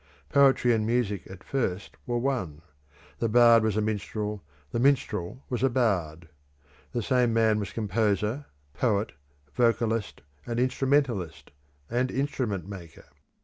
Poetry and music at first were one; the bard was a minstrel, the minstrel was a bard. The same man was composer, poet, vocalist, and instrumentalist, and instrument maker.